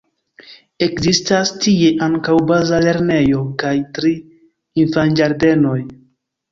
Ekzistas tie ankaŭ baza lernejo kaj tri infanĝardenoj.